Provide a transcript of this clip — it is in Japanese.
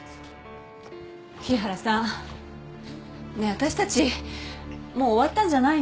日原さんねえ私たちもう終わったんじゃないの？